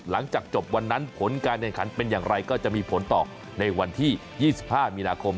หลังจากจบวันนั้นผลการแข่งขันเป็นอย่างไรก็จะมีผลต่อในวันที่๒๕มีนาคม